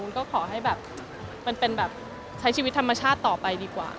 ก็ขอให้แบบมันเป็นแบบใช้ชีวิตธรรมชาติต่อไปดีกว่า